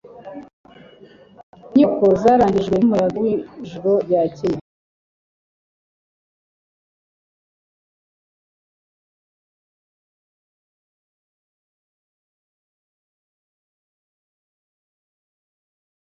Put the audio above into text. amakurushingiro ku ikurikirana ry amabuye